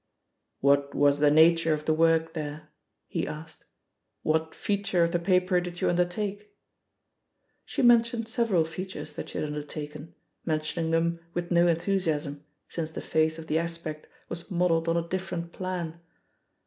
"What was the nature of the work there?" he asked — "what feature of the paper did you undertake?" She mentioned several features that she had undertaken, mentioning them with no enthu siasm, since the face of The Aspect was modelled on a different plan.